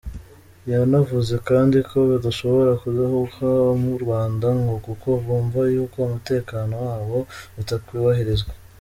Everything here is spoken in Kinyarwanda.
Yanavuze kandi ko badashobora kudahuka mu Rwanda ngo kuko bumva yuko umutekano wabo utokwubahirizwa.